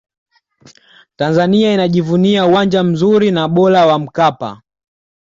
tanzania inajivunia uwanja mzuri na bora wa mkapa